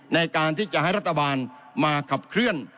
ในการที่จะให้รัฐบาลมาขับเคลื่อน